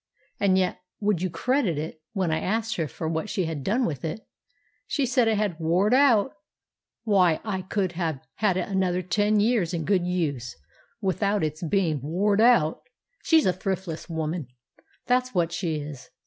And yet, would you credit it, when I asked her what she had done with it, she said it had 'wored out'! Why, I could have had it another ten years in good use, without its being 'wored out.' She's a thriftless woman, that's what she is.